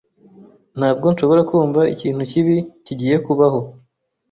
Ntabwo nshobora kumva ikintu kibi kigiye kubaho .